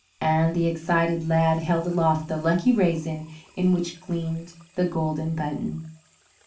And the excited lad held aloft the lucky raisin in which gleamed the golden button.